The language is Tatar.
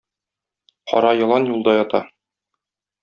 Кара елан юлда ята.